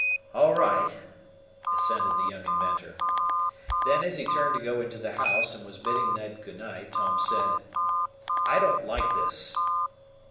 "All right," assented the young inventor. Then, as he turned to go into the house and was bidding Ned good night, Tom said: "I don't like this."